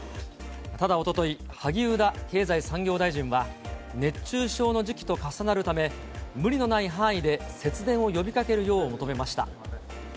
ただ、おととい、萩生田経済産業大臣は、熱中症の時期と重なるため、無理のない範囲で節電を呼びかけるよう求めました。